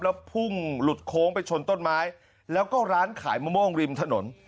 แล้วพุ่งหลุดโค้งไปชนต้นไม้แล้วก็ร้านขายมะม่วงริมถนน